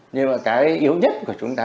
nhưng mà cái yếu nhất của chúng ta